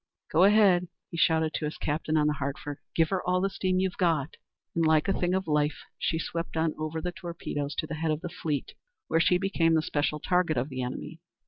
"Go ahead!" he shouted to his captain on the Hartford; "give her all the steam you've got!" And like a thing of life she swept on over the torpedoes to the head of the fleet, where she became the special target of the enemy.